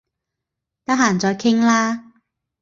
得閒再傾啦